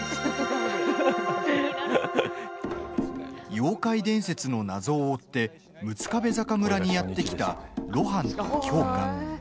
妖怪伝説の謎を追って六壁坂村にやって来た露伴と京香。